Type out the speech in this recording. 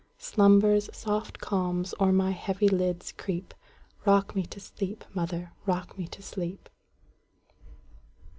Slumber's soft calms o'er my heavy lids creep;—Rock me to sleep, mother,—rock me to sleep!